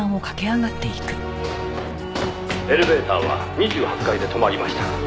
「エレベーターは２８階で止まりました」